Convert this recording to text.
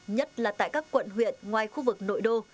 nhất là tại các quận huyện ngoài khu vực nội đô